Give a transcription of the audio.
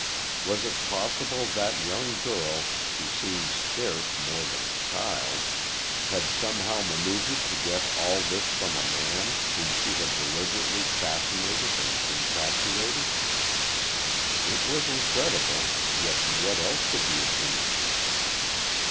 Was it possible that young girl, who seemed scarce more than a child, had some how maneuvered to get all this from a man whom she had deliberately fascinated and infatuated? It was incredible—yet what else could be assumed?